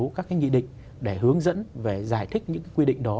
một số các cái nghị định để hướng dẫn về giải thích những quy định đó